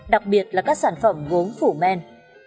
đặc biệt là các sản phẩm gốm phủ men